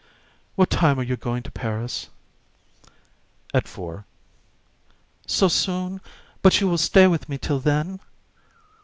"What time are you going to Paris?" "At four." "So soon? But you will stay with me till then?"